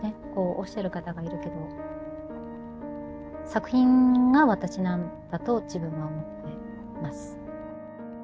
おっしゃる方がいるけど作品が私なんだと自分は思ってます。